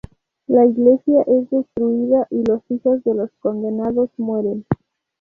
La iglesia es destruida y los hijos de los condenados mueren.